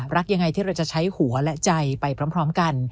รักยังไงที่เราจะใช้หัวและใจไปพร้อมกัน